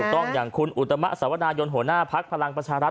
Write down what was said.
ต้องอย่างคุณอุตมะสวนายนหัวหน้าพักพลังประชารัฐ